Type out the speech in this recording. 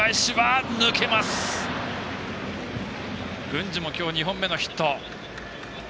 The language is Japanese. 郡司もきょう２本目のヒット。